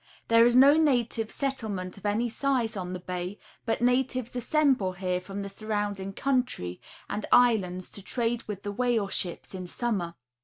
There is no native settle ment of any size on the bay, but natives assemble here from the surrounding country and islands to trade with the whale ships in ~ summer.